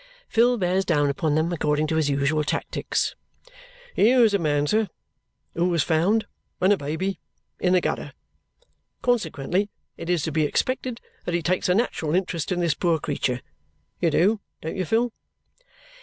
Phil bears down upon them according to his usual tactics. "Here is a man, sir, who was found, when a baby, in the gutter. Consequently, it is to be expected that he takes a natural interest in this poor creature. You do, don't you, Phil?"